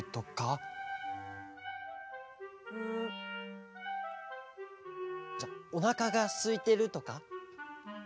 ぐ！じゃおなかがすいてるとか？